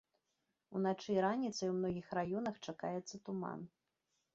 Уначы і раніцай у многіх раёнах чакаецца туман.